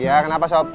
iya kenapa sob